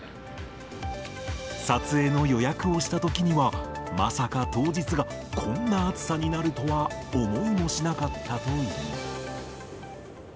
撮影の予約をしたときには、まさか当日がこんな暑さになるとは思いもしなかったという。